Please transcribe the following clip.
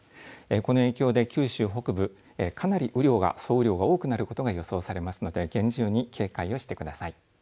この影響で九州北部かなり雨量が総雨量が多くなることが予想されますので厳重に警戒をしてください。